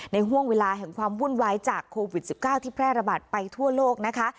ห่วงเวลาแห่งความวุ่นวายจากโควิด๑๙ที่แพร่ระบาดไปทั่วโลกนะคะ